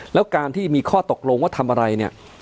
แล้วการที่มีข้อตกลงว่าทำอะไรเนี่ย